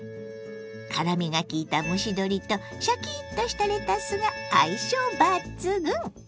辛みがきいた蒸し鶏とシャキッとしたレタスが相性抜群！